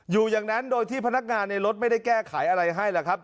อยู่อย่างนั้นโดยที่พนักงานในรถไม่ได้แก้ไขอะไรให้แหละครับ